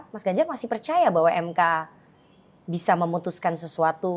mas ganjar masih percaya bahwa mk bisa memutuskan sesuatu